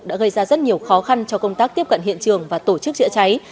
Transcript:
đã gây ra rất nhiều khó khăn cho công tác tiếp cận hiện trường và tổ chức chữa cháy